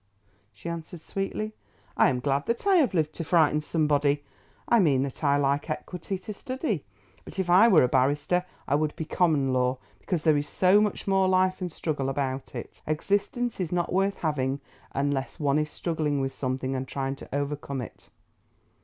she answered sweetly. "I am glad that I have lived to frighten somebody. I meant that I like Equity to study; but if I were a barrister, I would be Common law, because there is so much more life and struggle about it. Existence is not worth having unless one is struggling with something and trying to overcome it."